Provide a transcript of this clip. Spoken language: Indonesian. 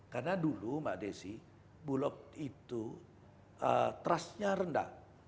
karena dulu mbak desi bulog itu trustnya rendah